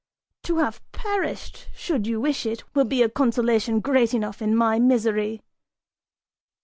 To have perished, should you wish it, will be a consolation great enough in my misery!"